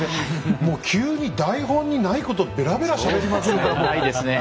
もう急に台本にないことべらべらしゃべりますね。